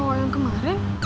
cowok yang kemarin